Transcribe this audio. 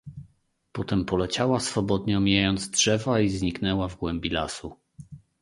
"Potem poleciała swobodnie omijając drzewa i zniknęła w głębi lasu."